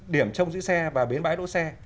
điểm trông giữ xe và bến bãi đỗ xe